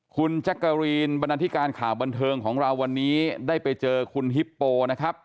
คุณจักรีนบรรณาธิการข่าวบันเทิงของเราวันนี้ได้ไปเจอคุณฮิปโปนะครับ